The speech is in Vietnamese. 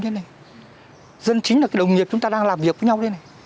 dân chính là đồng nghiệp chúng ta đang làm việc với nhau